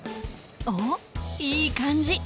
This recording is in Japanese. おっいい感じ！